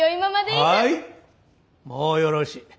はいもうよろしい。